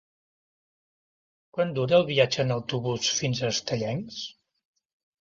Quant dura el viatge en autobús fins a Estellencs?